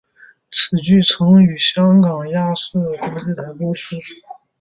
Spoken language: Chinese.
此剧曾于香港亚视国际台播出。